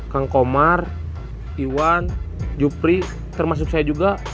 kang komar iwan jupri termasuk saya juga